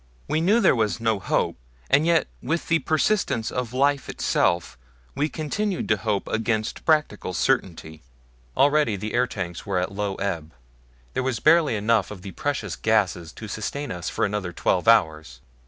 We knew that there was no hope, and yet with the persistence of life itself we continued to hope against practical certainty. Already the air tanks were at low ebb there was barely enough of the precious gases to sustain us for another twelve hours.